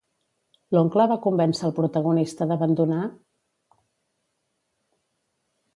L'oncle va convèncer al protagonista d'abandonar?